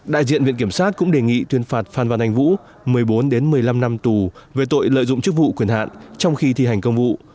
đại diện viện kiểm sát cũng đề nghị tuyên phạt phan văn anh vũ một mươi bốn một mươi năm năm tù về tội lợi dụng chức vụ quyền hạn trong khi thi hành công vụ